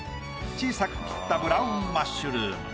小さく切ったブラウンマッシュルーム。